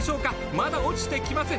まだ落ちてきません。